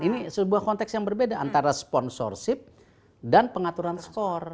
ini sebuah konteks yang berbeda antara sponsorship dan pengaturan skor